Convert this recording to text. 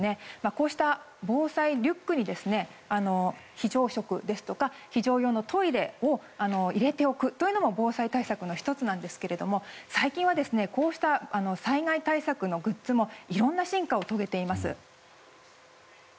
こうした防災リュックに非常食ですとか非常用のトイレを入れておくというのも防災対策の１つですが最近はこうした災害対策のグッズもいろんな進化を遂げています。